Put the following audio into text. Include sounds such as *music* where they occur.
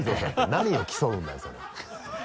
何を競うんだよそれ *laughs*